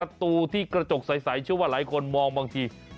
ประตูที่กระจกใสเชื่อว่าหลายคนมองบางที